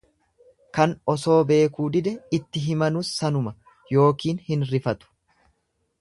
Kan osoo beekuu dide itti himanus sanuma yookiin hin rifatu.